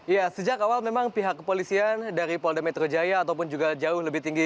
ya sejak awal memang pihak kepolisian dari polda metro jaya ataupun juga jauh lebih tinggi